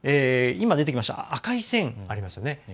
今、出てきました赤い線ありますね。